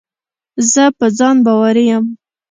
زه په ځان باوري یم.